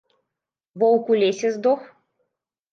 Воўк у лесе здох?